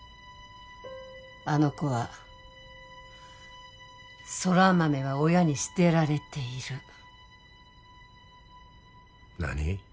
あの子は空豆は親に捨てられている何？